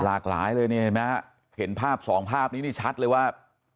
หลากหลายเลยเนี่ยเห็นไหมฮะเห็นภาพสองภาพนี้นี่ชัดเลยว่า